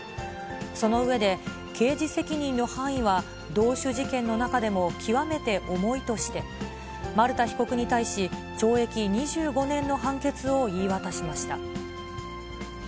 その上で、刑事責任の範囲は同種事件の中でも極めて重いとして、丸田被告に対し、懲役２５年の判決を言い渡しました。